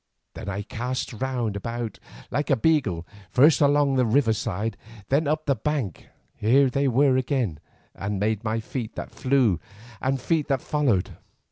Then I cast round about like a beagle, first along the river side, then up the bank. Here they were again, and made by feet that flew and feet that followed.